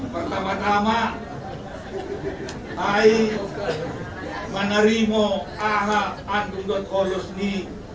pertama tama saya menerima ahal antum kosos ini